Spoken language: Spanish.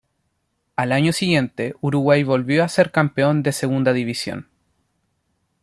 Al año siguiente Uruguay volvió a ser campeón de Segunda División.